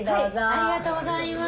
ありがとうございます。